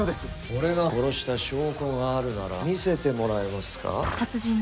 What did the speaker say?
俺が殺した証拠があるなら見せてもらえますか？